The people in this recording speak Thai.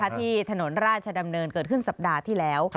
ที่ถนนราชดำเนินเกิดขึ้นสัปดาห์ที่แล้ว